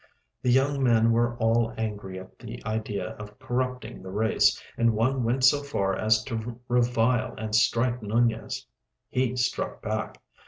The young men were all angry at the idea of corrupting the race, and one went so far as to revile and strike Nunez. He struck back.